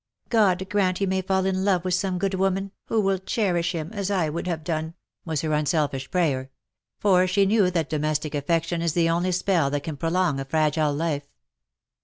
'' God grant he may fall in love with some good woman, who will cherish him as I would have done/' was her unselfish prayer ; for she knew that domestic affection is the only spell that can prolong a fragile life.